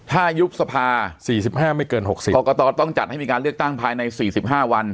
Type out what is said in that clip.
ถ้ายุบสภาสี่สิบห้าไม่เกินหกสิบปรกตรต้องจัดให้มีการเลือกตั้งภายในสี่สิบห้าวัน